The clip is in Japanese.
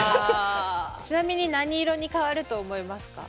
ちなみに何色に変わると思いますか？